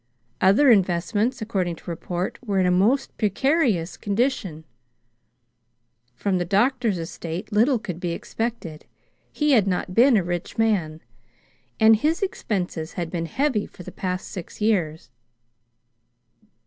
Other investments, according to report, were in a most precarious condition. From the doctor's estate, little could be expected. He had not been a rich man, and his expenses had been heavy for the past six years.